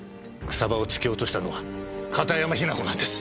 草葉を突き落としたのは片山雛子なんです。